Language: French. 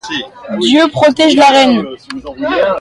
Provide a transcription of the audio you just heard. Dieu protège la reine.